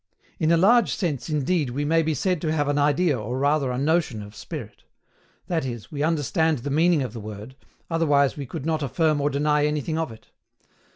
In a large sense, indeed, we may be said to have an idea or rather a notion of spirit; that is, we understand the meaning of the word, otherwise we could not affirm or deny anything of it.